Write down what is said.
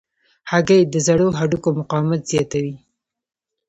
هګۍ د زړو هډوکو مقاومت زیاتوي.